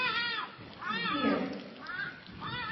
Ddiɣ